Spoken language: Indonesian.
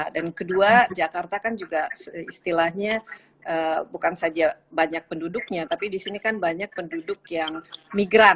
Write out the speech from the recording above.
dan kedua jakarta kan juga istilahnya bukan saja banyak penduduknya tapi disini kan banyak penduduk yang migran